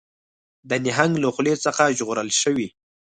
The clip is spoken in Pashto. د نهنګ له خولې څخه ژغورل شوي